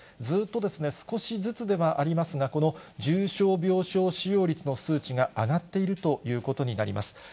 ずっと少しずつではありますが、この重症病床使用率の数値が上がっているということになります。